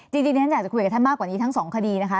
จริงฉันอยากจะคุยกับท่านมากกว่านี้ทั้งสองคดีนะคะ